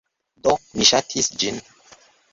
Do, mi ŝatis ĝin.